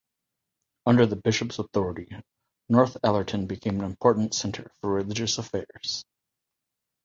Under the Bishop's authority Northallerton became an important centre for religious affairs.